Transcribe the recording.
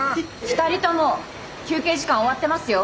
二人とも休憩時間終わってますよ。